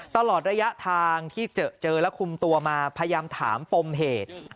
ตลอดระยะทางที่เจอและคุมตัวมาพยายามถามปมเหตุ